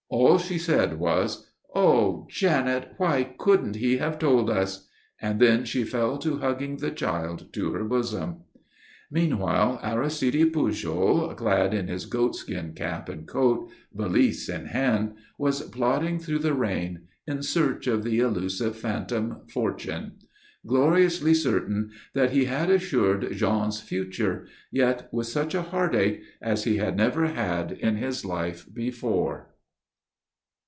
All she said was: "Oh, Janet, why couldn't he have told us?" And then she fell to hugging the child to her bosom. Meanwhile Aristide Pujol, clad in his goat skin cap and coat, valise in hand, was plodding through the rain in search of the elusive phantom, Fortune; gloriously certain that he had assured Jean's future, yet with such a heartache as he had never had in his life before.